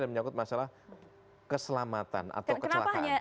dan menyangkut masalah keselamatan atau kecelakaan